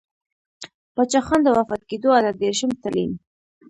پــاچــاخــان د وفــات کـېـدو اته درېرشم تـلـيـن.